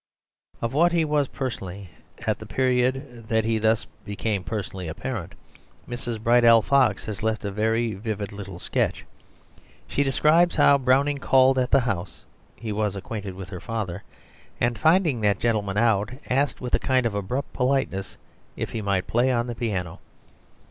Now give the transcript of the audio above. Of what he was personally at the period that he thus became personally apparent, Mrs. Bridell Fox has left a very vivid little sketch. She describes how Browning called at the house (he was acquainted with her father), and finding that gentleman out, asked with a kind of abrupt politeness if he might play on the piano.